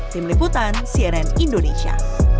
tim liputan cnn indonesia